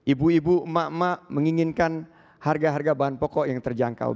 ibu ibu emak emak menginginkan harga harga bahan pokok yang terjangkau